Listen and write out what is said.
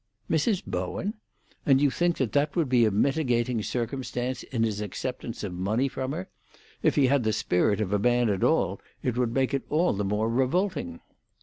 "Mrs. Bowen! And you think that would be a mitigating circumstance in his acceptance of money from her? If he had the spirit of a man at all, it would make it all the more revolting."